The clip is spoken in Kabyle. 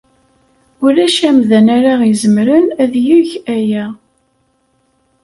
Ulac amdan ara izemren ad yeg aya.